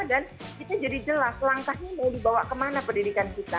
dan kita jadi jelas langkahnya yang dibawa kemana pendidikan kita